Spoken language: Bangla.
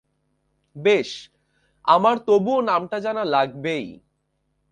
বেশ, আমার তবুও নামটা জানা লাগবেই।